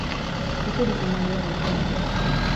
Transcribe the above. Es originaria de Hong Kong.